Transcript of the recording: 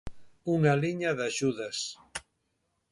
Unha liña de axudas.